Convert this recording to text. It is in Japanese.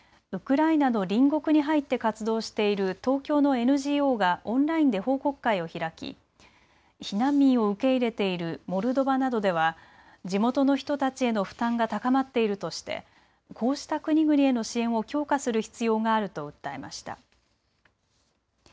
ウクライナの隣国に入って活動している東京のＮＧＯがオンラインで報告会を開き避難民を受け入れているモルドバなどでは地元の人たちへの負担が高まっているとしてこうした国々への支援を強化する必要があると訴えました。